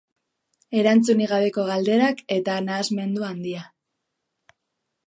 Erantzunik gabeko galderak, eta nahasmendua handia.